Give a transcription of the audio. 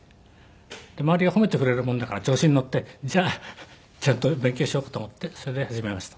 周りが褒めてくれるもんだから調子に乗ってじゃあ勉強しようかと思ってそれで始めました。